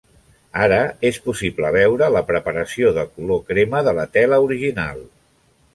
Ara és possible veure la preparació de color crema de la tela original.